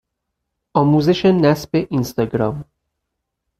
آموزش نصب اینستاگرام